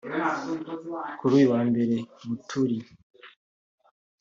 Kuri uyu wa mbere Muturi